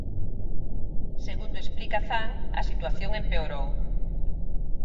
Segundo explica Zan, a situación empeorou.